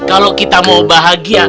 kalau kita mau bahagia